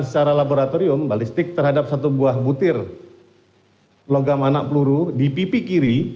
secara laboratorium balistik terhadap satu buah butir logam anak peluru di pipi kiri